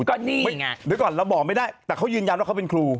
ก็นี่ไงเดี๋ยวก่อนเราบอกไม่ได้แต่เขายืนยันว่าเขาเป็นครู